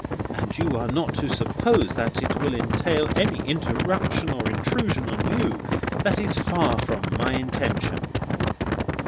And you are not to suppose that it will entail any interruption or intrusion on you, for that is far from my intention."